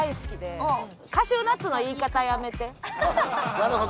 なるほど。